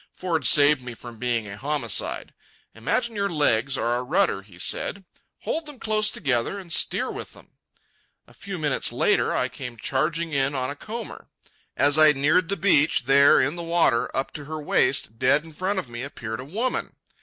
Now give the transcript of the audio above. Ford saved me from being a homicide. "Imagine your legs are a rudder," he said. "Hold them close together, and steer with them." A few minutes later I came charging in on a comber. As I neared the beach, there, in the water, up to her waist, dead in front of me, appeared a woman.